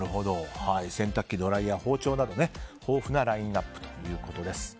洗濯機、ドライヤー、包丁など豊富なラインアップです。